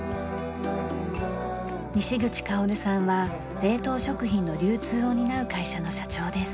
西口薫さんは冷凍食品の流通を担う会社の社長です。